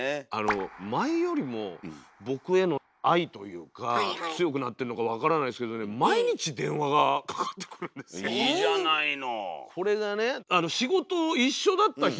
前よりも僕への愛というか強くなってるのか分からないんですけどねいいじゃないの。